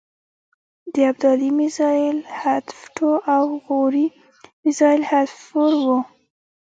د ابدالي میزایل حتف ټو او غوري مزایل حتف فور و.